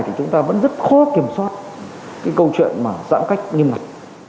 thì chúng ta vẫn rất khó kiểm soát cái câu chuyện mà giãn cách nghiêm ngặt